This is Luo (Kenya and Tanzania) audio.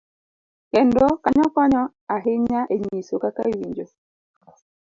kendo, kanyo konyo ahinya e nyiso kaka iwinjo